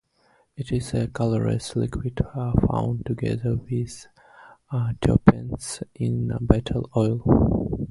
It is a colorless liquid found together with terpenes in betel oil.